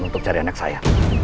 untuk cari anak saya